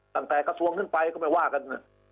ตั้งแต่กระทรวงขึ้นไปก็ไม่ว่ากัน